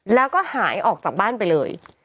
แล้วก็หายออกจากบ้านไปเลย